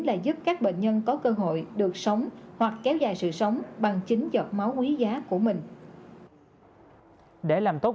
đã được tiêm vaccine đủ hai buổi ở nước ngoài thì